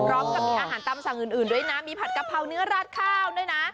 พร้อมกับมีอาหารตามสั่งอื่นด้วยนะมีผัดกะเพราเนื้อราดข้าวด้วยนะ